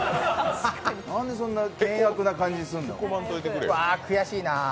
なんでそんな険悪な感じにするんだよ。